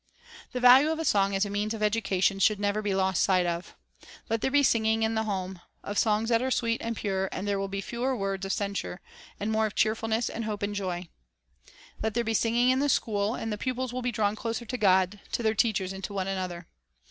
The value of song as a means of education should never be lost sight of. Let there be singing in the home, of songs that are sweet and pure, and there will be fewer words of censure, and more of cheerfulness and hope and joy. Let there be singing in the school, and the pupils will be drawn closer to God, to their teachers, and to one another.